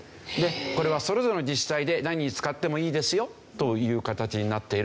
これはそれぞれの自治体で何に使ってもいいですよという形になっている。